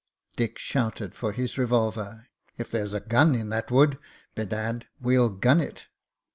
Dick shouted for his revolver. "If there's a gun in that wood, bedad! we'll gun it."